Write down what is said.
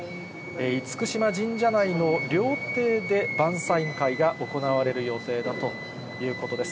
厳島神社内の料亭で晩さん会が行われる予定だということです。